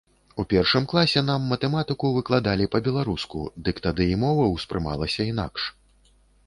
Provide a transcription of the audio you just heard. У першым класе нам матэматыку выкладалі па-беларуску, дык тады і мова ўспрымалася інакш.